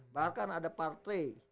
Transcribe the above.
bahkan ada partai